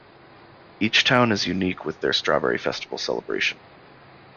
Each Town is unique with their strawberry festival celebration.